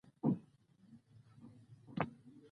مېلمه ته د کورنۍ مهرباني ارزښت لري.